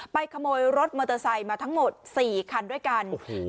ขโมยรถมอเตอร์ไซค์มาทั้งหมดสี่คันด้วยกันโอ้โห